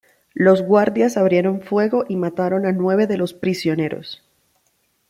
Los guardias abrieron fuego y mataron a nueve de los prisioneros.